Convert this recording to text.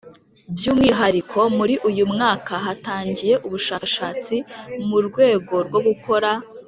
By umwihariko muri uyu mwaka hatangiye ubushakashatsi mu rwego rwo gukora